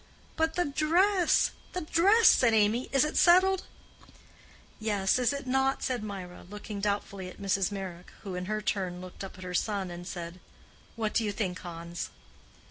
"But the dress—the dress," said Amy; "is it settled?" "Yes; is it not?" said Mirah, looking doubtfully at Mrs. Meyrick, who in her turn looked up at her son, and said, "What do you think, Hans?"